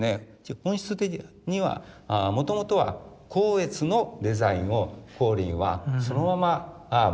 本質的にはもともとは光悦のデザインを光琳はそのまま用いてですね